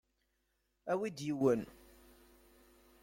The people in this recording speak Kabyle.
Awi-d yiwen.